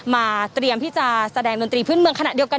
เตรียมที่จะแสดงดนตรีพื้นเมืองขณะเดียวกัน